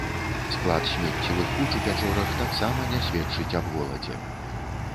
Склад смеццевых куч у пячорах таксама не сведчыць аб голадзе.